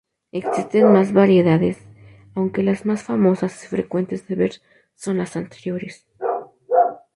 Existen más variedades, aunque las más famosas y frecuentes de ver son las anteriores.